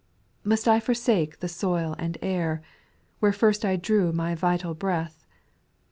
8. Must I forsake the soil and air, Where first I drew my vital breath